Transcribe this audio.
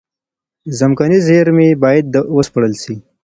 ځمکني زېرمي بايد و سپړل سي.